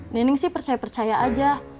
nening sih percaya percaya aja